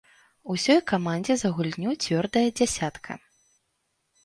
Усёй камандзе за гульню цвёрдая дзясятка.